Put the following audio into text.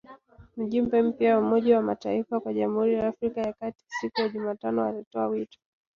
Mjumbe mpya wa Umoja wa mataifa kwa Jamhuri ya Afrika ya kati siku ya Jumatano alitoa wito